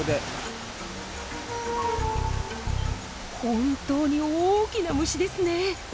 本当に大きな虫ですね。